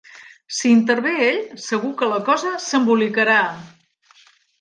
Si hi intervé ell, segur que la cosa s'embolicarà!